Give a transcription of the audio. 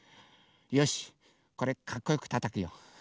よしこれかっこよくたたくよ。